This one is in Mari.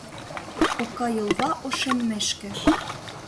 Ока йолва ошеммешке.